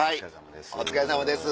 お疲れさまです。